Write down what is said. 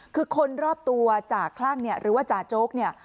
คือคนรอบตัวจ่าคลั่งเนี่ยหรือว่าจ่าโจ๊กเนี่ย